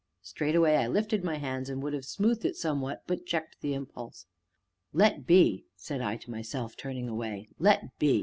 Straightway I lifted my hands, and would have smoothed it somewhat, but checked the impulse. "Let be," said I to myself, turning away, "let be.